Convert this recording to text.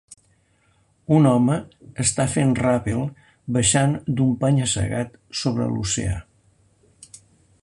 Un home està fent ràpel baixant d"un penya-segat sobre l"oceà.